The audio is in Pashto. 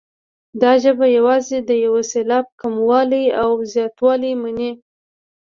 دا ژبه یوازې د یو سېلاب کموالی او زیاتوالی مني.